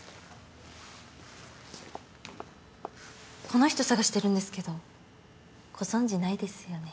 この人探してるんですけどご存じないですよね？